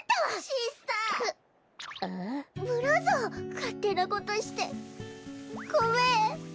かってなことしてごめん。